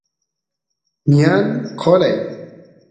ñan qoray